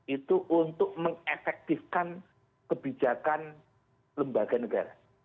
itu untuk mengefektifkan kebijakan lembaga negara